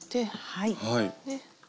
はい。